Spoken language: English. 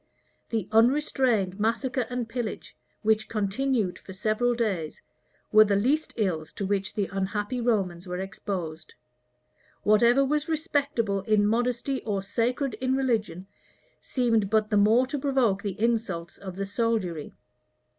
The unrestrained massacre and pillage, which continued for several days, were the least ills to which the unhappy Romans were exposed.[*] Whatever was respectable in modesty or sacred in religion, seemed but the more to provoke the insults of the soldiery.